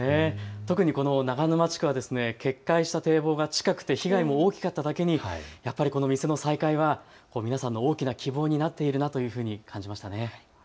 特にこの長沼地区は決壊した堤防が近く被害も大きかっただけには、やっぱりこの店の再開は、皆さんの大きな希望になっているなというふうに感じました。